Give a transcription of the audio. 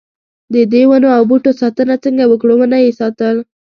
ددې ونو او بوټو ساتنه څنګه وکړو ونه یې ساتل.